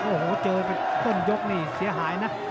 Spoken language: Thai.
โอ้โหเจอต้นยกนี่เสียหายนะ